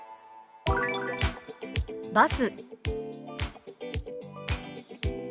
「バス」。